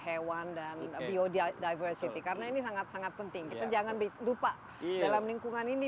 hewan dan biodiversity karena ini sangat sangat penting kita jangan lupa dalam lingkungan ini